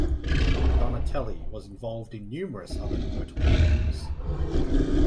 Donatelli was involved in numerous other notable games.